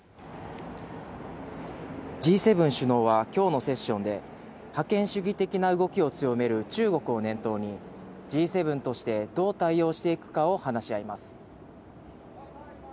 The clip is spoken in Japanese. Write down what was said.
Ｇ７首脳はきょうのセッションで、覇権主義的な動きを強める中国を念頭に、Ｇ７としてどう対応していくかを話し合います。